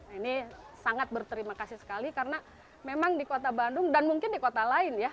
ini sangat berterima kasih sekali karena memang di kota bandung dan mungkin di kota lain ya